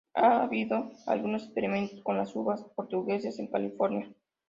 Ha habido algunos experimentos con las uvas portuguesas en California.